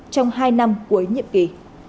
trong hai năm cuối nhiệm kỳ